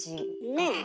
ねえ？